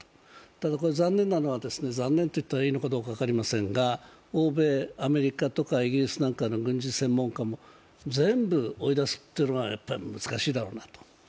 ただ、残念と言ったらいいのかどうか分かりませんが、欧米、アメリカとかイギリスなんかの軍事専門家も全部追い出すのは難しいだろうなと。